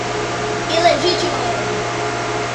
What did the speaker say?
ilegítima